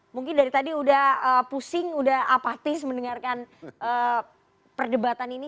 mungkin dari tadi udah pusing udah apatis mendengarkan perdebatan ini